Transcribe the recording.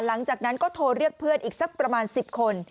หลังจากนั้นก็โทรเรียกเพื่อนอีกสักประมาณ๑๐คน